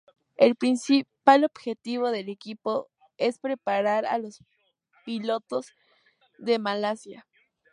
El principal objetivo del equipo es preparar a los pilotos de Malasia.